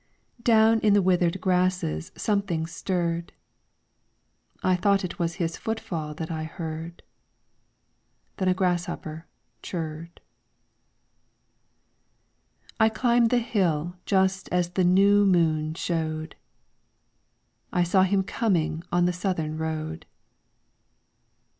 Down in the withered grasses something stirred ; I thought it was his footfall that I heard. Then a grasshopper chirred. I climbed the hill just as the new moon showed, I saw him coming on the southern road.